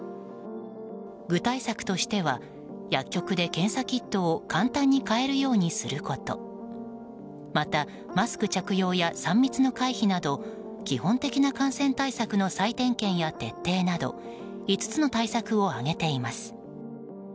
具体策としては薬局で検査キットを簡単に買えるようにすることまたマスク着用や３密の回避など基本的な感染対策の再点検や徹底など５つの対策を挙げています。